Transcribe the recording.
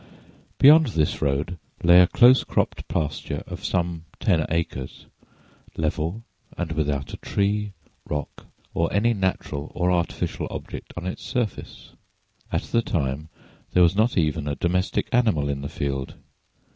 Beyond this road lay a close cropped pasture of some ten acres, level and without a tree, rock, or any natural or artificial object on its surface. At the time there was not even a domestic animal in the field.